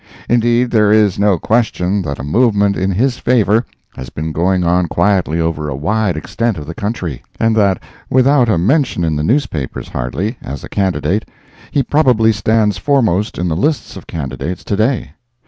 Indeed, there is no question that a movement in his favor has been going on quietly over a wide extent of country; and that, without a mention in the newspapers, hardly, as a candidate, he probably stands foremost in the list of candidates to day.